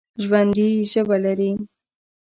ژوندي ژبه لري